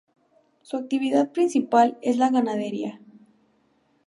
Su actividad principal es la ganadería.